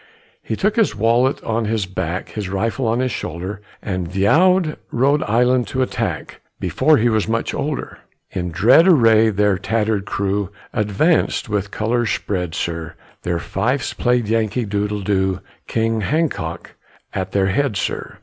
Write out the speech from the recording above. He took his wallet on his back, His rifle on his shoulder, And veow'd Rhode Island to attack Before he was much older. In dread array their tatter'd crew Advanc'd with colors spread, sir, Their fifes played Yankee doodle, doo, King Hancock at their head, sir.